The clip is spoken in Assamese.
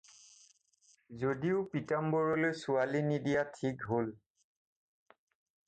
যদিও পীতাম্বৰলৈ ছোৱালী নিদিয়া ঠিক হ'ল।